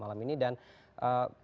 saya juga sudah detective review